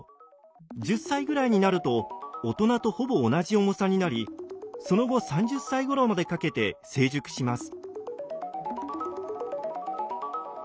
１０歳ぐらいになると大人とほぼ同じ重さになりその後３０歳ごろまでかけて成熟します。